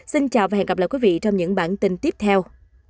xin chào và hẹn gặp lại quý vị trong những bản tin tiếp theo